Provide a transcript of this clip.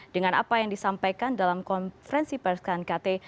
dengan apa yang disampaikan dalam konferensi pers knkt